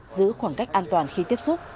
giữ khoảng cách an toàn khi tiếp xúc